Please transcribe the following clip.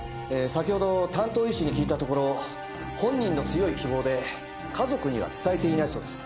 先ほど担当医師に聞いたところ本人の強い希望で家族には伝えていないそうです。